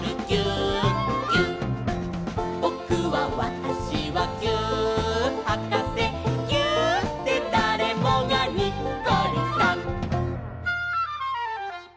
「ぼくはわたしはぎゅーっはかせ」「ぎゅーっでだれもがにっこりさん！」